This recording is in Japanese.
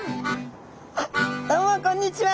あっどうもこんにちは！